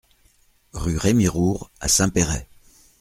Rue Rémy Roure à Saint-Péray